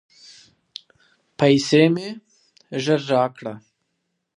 پیسې مي ژر راکړه !